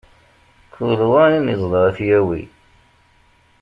Kul wa ayen iẓda ad t-yawi.